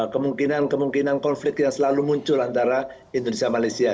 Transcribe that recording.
kemungkinan kemungkinan konflik yang selalu muncul antara indonesia malaysia